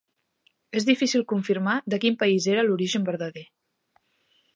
És difícil confirmar de quin país era l'origen verdader.